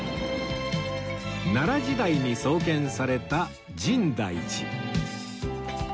奈良時代に創建された深大寺